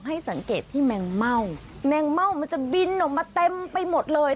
ให้สังเกตที่แมงเม่าแมงเม่ามันจะบินออกมาเต็มไปหมดเลย